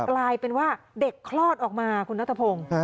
กลายเป็นว่าเด็กคลอดออกมาคุณนัทพงศ์